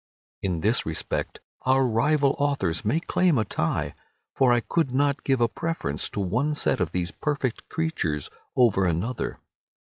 In this respect our rival authors may claim a tie, for I could not give a preference to one set of these perfect creatures over another.